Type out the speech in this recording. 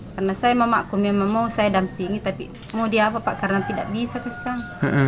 karena saya memang mau saya dampingi tapi mau dia apa pak karena tidak bisa kesan